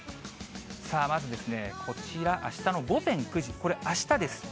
さあ、まずこちら、あしたの午前９時、これ、あしたです。